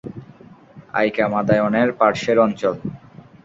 আয়কা মাদায়নের পার্শ্বের অঞ্চল।